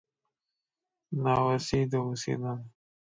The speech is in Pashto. ناوسي دووسي نده